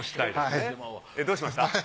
えっどうしました？